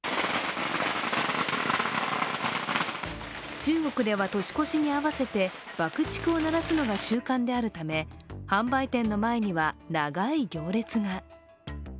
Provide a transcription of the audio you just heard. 中国では年越しに合わせて爆竹を鳴らすのが習慣であるため販売店の前には長い行列が。